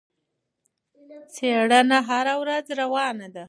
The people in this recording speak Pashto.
څېړنه هره ورځ روانه ده.